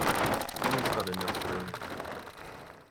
You've got enough room.